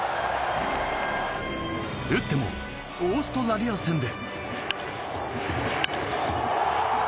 打ってもオーストラリア戦で。